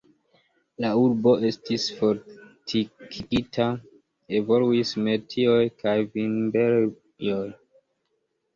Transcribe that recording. La urbo estis fortikigita, evoluis metioj kaj vinberejoj.